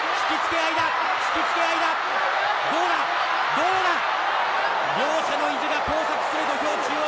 どうだ？両者の意地が交錯する土俵中央。